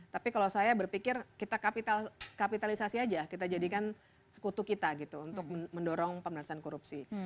tapi kalau saya berpikir kita kapitalisasi aja kita jadikan sekutu kita gitu untuk mendorong pemerintahan korupsi